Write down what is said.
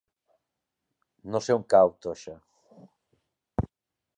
No sé on cau Toixa.